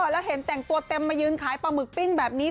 แล้วเห็นแต่งตัวเต็มมายืนขายปลาหมึกปิ้งแบบนี้